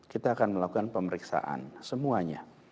kita akan melakukan pemeriksaan semuanya